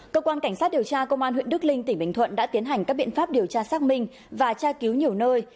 cơ quan cảnh sát điều tra công an huyện đức linh tỉnh bình thuận đã tiến hành các biện pháp điều tra xác minh và tra cứu nhiều nơi